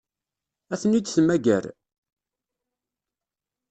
Ad ten-id-temmager?